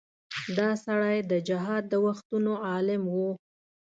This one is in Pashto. دا سړی د جهاد د وختونو عالم و.